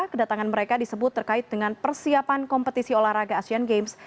kedatangan mereka disebut terkait dengan persiapan kompetisi olahraga asean games